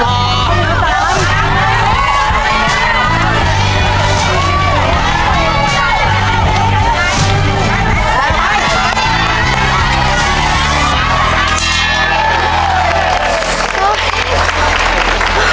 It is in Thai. ชุดที่๔ข้าวเหนียว๒ห้อชุดที่๔